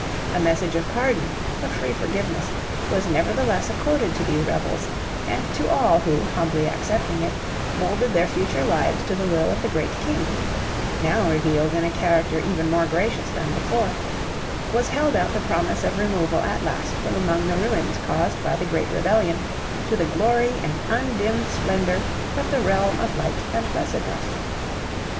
A message of pardon of free forgiveness was nevertheless accorded to these rebels; and to all who, humbly accepting it, molded their future lives to the will of the Great King (now revealed in a character even more gracious than before), was held out the promise of removal at last from among the ruins caused by the great rebellion, to the glory and undimmed splendor of the realm of Light and Blessedness."